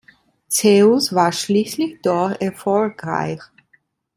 Zeus war schließlich doch erfolgreich.